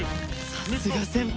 さすが先輩！